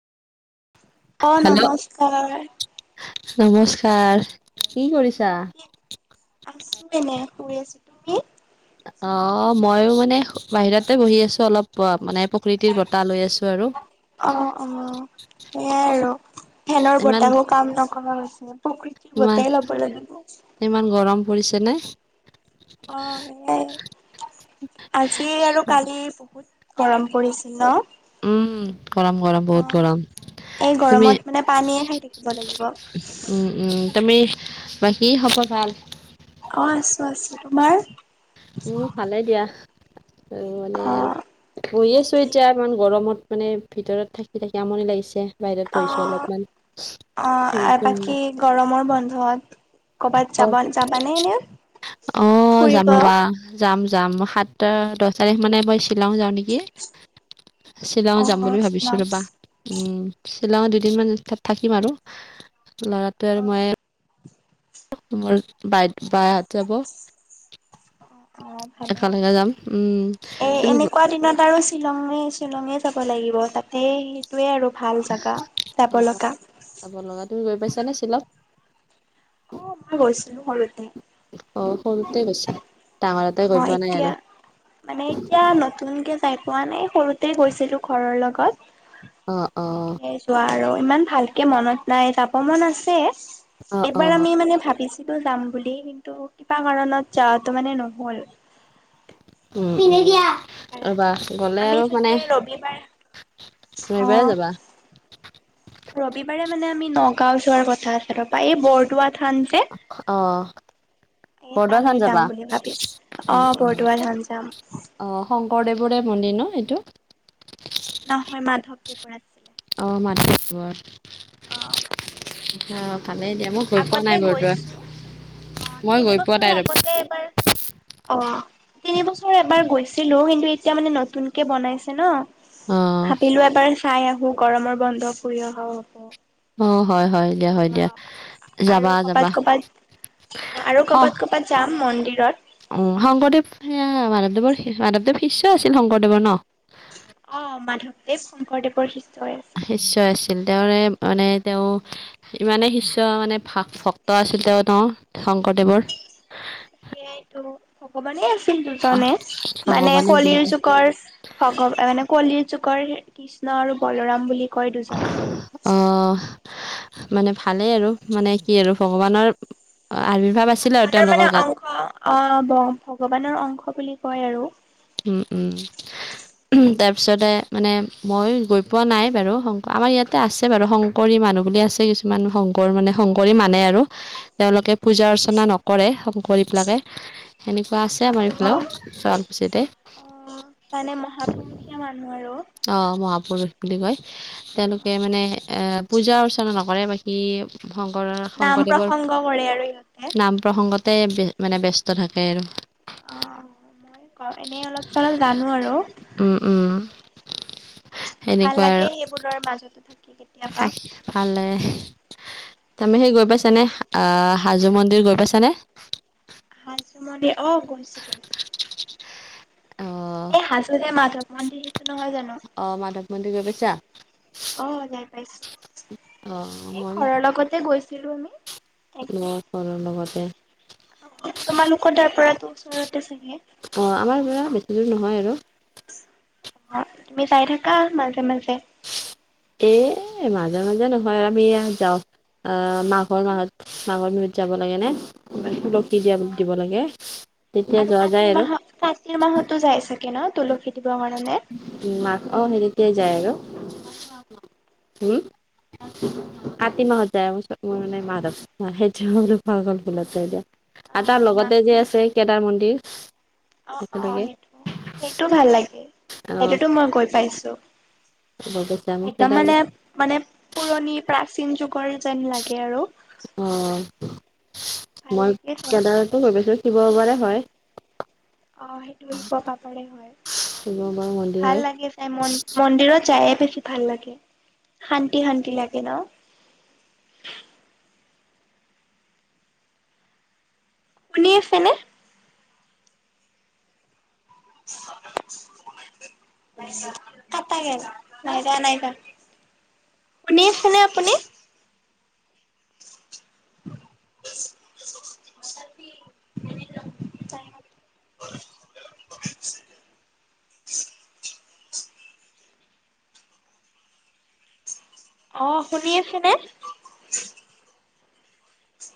অ hello নমস্কাৰ নমস্কাৰ, কি কৰিছা? কি আছো এনে শুই আছো তুমি? অ মইয়ো মানে বাহিৰতে বহি আছো অলপ মানে প্ৰকৃতিৰ বতাহ লৈ আছো আৰু অ অ সেইয়াই আৰু ফেনৰ ইমান বতাহো কাম নকৰা হৈছে প্ৰকৃতিৰ বতাহ ল'ব লাগিব বলিছে নে? অ সেয়াই আজি আৰু কালি বহুত গৰম পৰিছিল ন উম গৰম গৰম অ বহুত গৰম এই তুমি গৰমত মানে পানীয়ে খাই থাকিব লাগিব উম উম তুমি বাকী খবৰ ভাল অ আছো তোমাৰ উম ভালে দিয়া আৰু মানে অ আৰু বৈ আছোঁ বাকী এতিয়া ইমান গৰমত মানে ভিতৰত থাকি থাকি আমনি লাগিছে। বাহিৰত অ বহিছো অলপমান অ বাকী গৰমৰ বন্ধত কৰ'বাত অ যাব যাবানে এনে অ যাম ফুৰিব ৰবা যাম যাম সাত দহ তাৰিখ মানে শ্বিলং যাওঁ নেকি শ্বিলং অ যাম বুলি ভাবিছো ৰবা শ্বিলং উম শ্বিলঙত দুদিনমান থাকিম আৰু ল'ৰাটোৱে আৰু মই অ', তোমাৰ বাইহত যাব অ অ ভালে একেলগে যাম উম এ তুমি গ- এনেকুৱা দিনত আৰু শ্বিলঙে শ্বিলঙে যাব লাগিব তাতে সেইটোৱে আৰু ভাল জাগা। যাব অ লগা যাব লগা তুমি গৈ পাইছানে শ্বিলং অ মই গৈছিলো সৰুতে অ সৰুতে গৈছা ডাঙৰতে গৈ অ পোৱা নাই আৰু এতিয়া মানে এতিয়া নতুনকে চাই পোৱা নাই সৰুতে গৈছিলো ঘৰৰ লগত অ অ তেতিয়াই যোৱা আৰু ইমান ভালকে মনত নাই তাপমান আছে অ অ এইবাৰ আমি মানে ভাবিছো টো যাম বুলি কিন্তু কিবা কাৰণত যোৱাটো মানে নহ'ল ৰবা গলে আমি আৰু মানে চাগে ৰবিবাৰ [unintelligible] অ', যাবা ৰবিবাৰে মানে আমি নগাঁও যোৱাৰ কথা আছে ৰবা এই বৰদোৱাত অ', এ বৰদোৱা তালৈ থান যাম যাবা বুলি ভাবিছো অ বৰদোৱা থান যাম আহ শংকৰদেৱৰে মন্দিৰ ন এইটো নহয় মাধৱদেৱৰা আছিল। অ, [unintelligible] অ, অ মাধৱদেৱৰ ভালেই দিয়া মোক ভ পোৱা আগতে নাই বৰু দোৱা গৈছো অ, তিনি বছৰ আগতে এবাৰ অ তিনিবছৰ এবাৰ গৈছিলো। কিন্তু এতিয়া মানে নতুনকে বনাইছে ন অ ভাবিলো এবাৰ চাই আহো গৰমৰ বন্ধ ফুৰি অহাও আহো। অ, হয়-হয় দিয়া হয় দিয়া আৰু ক'বাত যাবা-যাবা ক'বাত আৰু অ, ক'বাত ক'বাত যাম মন্দিৰত উ শংকৰদেৱ সেয়া মানে মাধৱৰ মাধৱদেৱ শিষ্য আছিল। শংকৰদেৱৰ ন অ, মাধৱদেৱ শংকৰদেৱৰ শিক্ষা নিশ্চয় আছিল। তেওঁৰে মানে তেওঁ ইমানেই শিষ্য মানে ভ ভক্ত আছিল। তেওঁ-তেওঁ ন শংকৰদেৱৰ সেইয়াইতো ভগৱানে আ আহ দুজনে মানে ভগৱানে দুই কলিৰ যুগৰ ভগৱ মানে কলিৰ। যুগৰ কৃষ্ণ আৰু বলোৰাম বুলি। কয় দুজনক আহ। মানে ভালেই আৰু মানে কি আৰু ভগৱানৰ। আৱিৰ্ভাৱ আছিলে আৰু ভগৱানৰ মানে তেওঁলোকৰ গাত অংশ আহ ভগৱানৰ অংশ বুলি কয় আৰু। উম উম। তাৰপিছতে মানে মই গৈ পোৱা নাই বাৰু শং আমাৰ ইয়াতে আছে বাৰু শংকৰী। মানুহ বুলি আছে কিছুমান শংকৰ মানে শংকৰী মানে আৰু তেওঁলোকে পূজা অৰ্চনা নকৰে। কৰি পেলাকে সেনেকুৱা আছে অ আমাৰ অ এইফালেও। শুৱালকুছিতে অ মানে মহাপুৰুষীয়া মানুহ আৰু। অ মহাপুৰুষ বুলি কয় তেওঁলোকে মানে এ পূজাৰ ওচৰত নকৰে বাকী শংকৰৰ নাম শংকৰদেৱৰ প্ৰসংগ কৰে আৰু ইহঁতে নাম প্ৰসংগত তে মানে ব্যস্ত থাকে আৰু অ এনে অলপ চলপ জানোঁ আৰু উম উম ভাল সেনেকুৱা আৰু লাগে সেইবোৰৰ মাজতে থাকি কেতিয়াবা [unintelligible] ভালে তোমানে সেই গৈ পাইছানে? আহ হাজো মন্দিৰ গৈ পাইছানে? হাজো মন্দিৰ অ গৈছো-গৈছো এই হাজো যে মাধৱ মন্দিৰ সেইটো আহ মাধৱ মন্দিৰ গৈ পইছা? অ, যাই পাইছো। অ এই ঘৰৰ লগতে গৈছিলো আমি। অ একদিন। ঘৰৰ লগত। [inaudible] তোমালোকৰ তাৰ পৰাটো ওচৰতে চাগে অ, আমাৰ পৰা বেছি দূৰ নহয় আৰু তুমি যাই থাকা মাজে-মাজে এ, মাজে-মাজে নহয়। আমি যাও আহ মাঘৰ মাহত, মাঘৰ বিহুত যাব লাগে নে দিয়া অ', দিব লাগে। তেতিয়া আৰু যোৱা কাতিৰ যায় আৰু। মাহত কাতিৰ মাহতো [inaudible] উ, মা অ হেৰি তেই যায় আৰু [inaudible] হম কাতি মাহ যায়, [unintelligible] অ আৰু তাৰ মাঘ লগতে যে বিহুত আছে কেদাৰ মন্দিৰ অ অ একেলগে সেইটো, সেইটো ভাল লাগে। আহ সেইটোতো মই গৈ পাইছো। গৈ পাইছা মোক একদম কেদাৰ মানে মানে পুৰণি প্ৰাচীন যুগ কৰে যেন লাগে আৰু। অ ভাল মই লাগে যাই। কেডাৰনাথ ও গৈ পাইছো, শিৱ সাগৰে হয়। [unintelligible] শিৱবাৰ মন্দিৰ হয় ভাল লাগে জাই, মন-মন্দিৰত যায় বেছি ভাল লাগে, শান্তি শান্তি লাগে ন। শুনি আছেনে? [unintelligible] [unintelligible] শুনি আছেনে আপুনি? [unintelligible] [unintelligible] অ শুনি আছে নে?